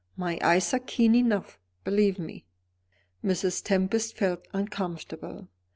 "My eyes are keen enough, believe me." Mrs. Tempest felt uncomfortable.